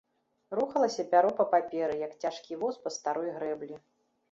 Рухалася пяро па паперы, як цяжкі воз па старой грэблі.